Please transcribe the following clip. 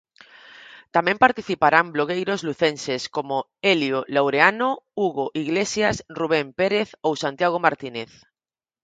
Tamén participarán blogueiros lucenses, coma Elio Laureano, Hugo Iglesias, Rubén Pérez ou Santiago Martínez.